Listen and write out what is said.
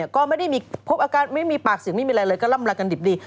ก็ไม่ได้มีปากสิ่งไม่มีอะไรเลยก็ล่ำลากันดิบดี